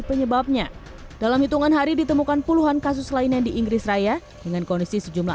penyebabnya dalam hitungan hari ditemukan puluhan kasus lainnya di inggris raya dengan kondisi sejumlah